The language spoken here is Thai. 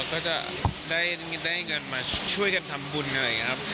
ก็จะได้ได้กันมาช่วยทำบุญในไปนะครับ